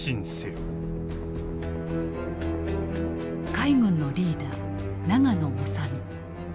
海軍のリーダー永野修身。